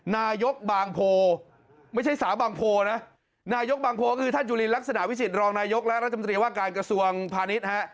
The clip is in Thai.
นายกบางโพไม่ใช่สาวบางโพนะนายกบางโพก็คือท่านจุลินลักษณะวิสิทธิรองนายกและรัฐมนตรีว่าการกระทรวงพาณิชย์ฮะ